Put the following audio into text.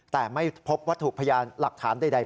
แต่ไม่พบว่าถูกพยายามหลักฐานใด